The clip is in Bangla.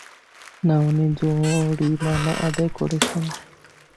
না উনি জরিমানা আদায় করেছেন।